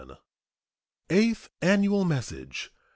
GRANT. EIGHTH ANNUAL MESSAGE.